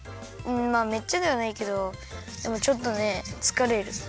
まあめっちゃではないけどでもちょっとねつかれる。